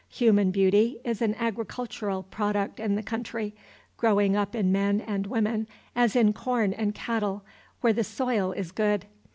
Human beauty is an agricultural product in the country, growing up in men and women as in corn and cattle, where the soil is good.